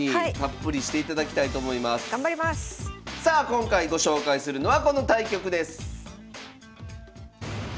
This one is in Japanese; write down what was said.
今回ご紹介するのはこの対局です。